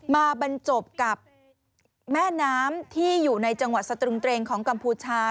บรรจบกับแม่น้ำที่อยู่ในจังหวัดสตรึงเตรงของกัมพูชา